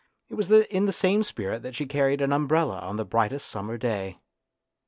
It was in the same spirit that she carried an umbrella on the brightest summer day.